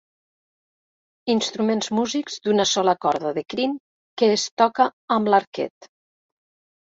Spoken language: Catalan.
Instruments músics d'una sola corda de crin que es toca amb l'arquet.